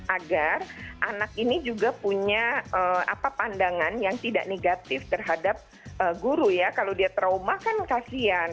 agar anak ini juga punya pandangan yang tidak negatif terhadap guru ya kalau dia trauma kan kasian